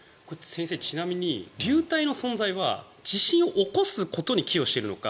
先生、ちなみに流体の存在は地震を起こすことに寄与しているのか